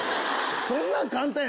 そんなん簡単や。